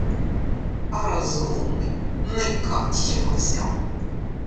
А розумний — не кат його взяв!